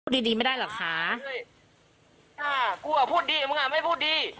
ดีดีไม่ได้หรอกค่ะอ่ากูอ่ะพูดดีมึงอ่ะไม่พูดดี